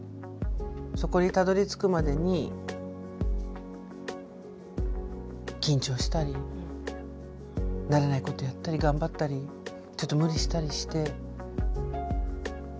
そこにたどりつくまでに緊張したり慣れないことやったり頑張ったりちょっと無理したりして。